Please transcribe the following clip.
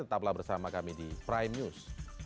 tetaplah bersama kami di prime news